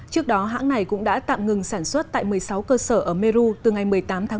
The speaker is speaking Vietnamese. trước đó hãng này cũng đã tạm ngừng sản xuất tại một mươi sáu cơ sở ở meru từ ngày một mươi tám tháng một mươi một